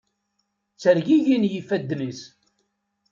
Ttergigin yifadden-is.